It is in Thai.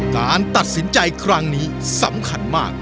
การตัดสินใจครั้งนี้สำคัญมาก